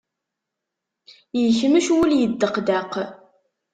Yekmec wul yeddeqdeq.